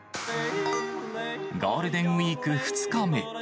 ゴールデンウィーク２日目。